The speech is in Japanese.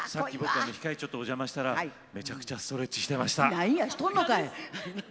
控え室でめちゃくちゃストレッチしてました。